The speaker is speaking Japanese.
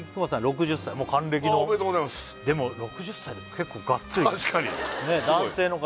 ６０歳もう還暦のおめでとうございます６０歳でも結構ガッツリ確かに男性の方